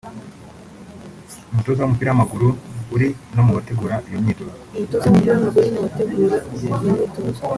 umutoza w’umupira w’amaguru uri no mu bateguye iyo myitozo